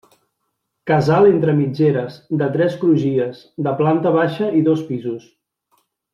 Casal entre mitgeres, de tres crugies, de planta baixa i dos pisos.